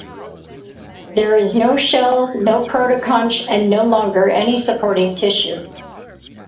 There is no shell, no protoconch and no longer any supporting tissue.